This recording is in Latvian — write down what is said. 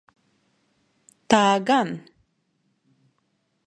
Tā gan.